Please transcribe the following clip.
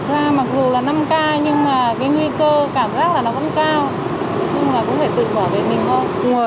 ra mặc dù là năm k nhưng mà cái nguyên